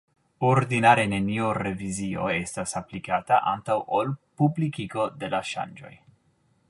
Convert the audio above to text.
Ordinare neniu revizio estas aplikata antaŭ ol publikigo de la ŝanĝoj.